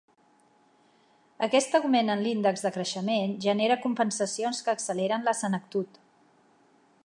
Aquest augment en l'índex de creixement genera compensacions que acceleren la senectut.